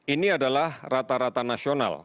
ini adalah rata rata nasional